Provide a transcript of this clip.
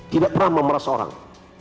tidak pernah memeras orang